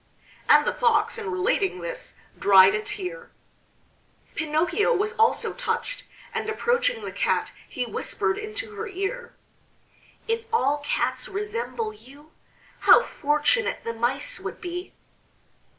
And the Fox, in relating this, dried a tear. Pinocchio was also touched, and approaching the Cat he whispered into her ear: "If all cats resemble you, how fortunate the mice would be!"